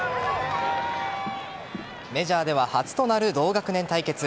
メジャーでは初となる同学年対決。